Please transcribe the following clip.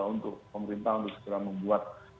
untuk pemerintah untuk segera membuat